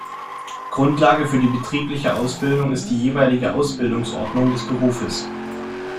Grundlage für die betriebliche Ausbildung ist die jeweilige Ausbildungsordnung des Berufes.